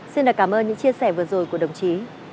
xin được cảm ơn những chia sẻ vừa rồi